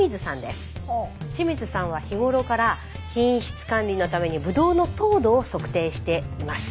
清水さんは日頃から品質管理のためにブドウの糖度を測定しています。